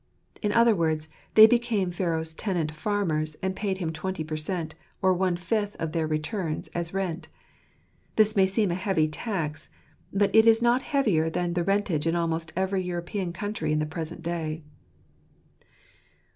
In other words, they became Pharaoh's tenant farmers, and paid him twenty per cent., or one fifth of their returns, as rent. This may seem a heavy tax ■ but it is not heavier than the rentage in almost every European country in the present day.